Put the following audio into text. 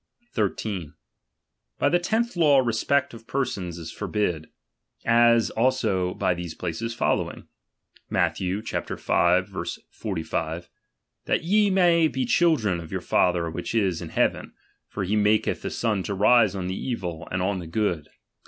13. By the tenth law respect of persons is for A]» ' T)id ; as also by these places following: Matth. of p^ ~v. 45 : That ye may be children of your Father •which is in heaven ; for he maketli the sun to rise OS the evil, and on the good, &c.